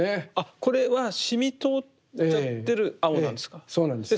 これは染み通っちゃってる青なんですか？